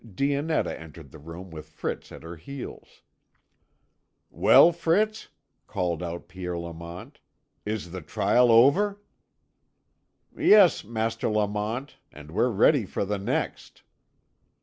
Dionetta entered the room with Fritz at her heels. "Well, Fritz," called out Pierre Lamont, "is the trial over?" "Yes, Master Lamont, and we're ready for the next."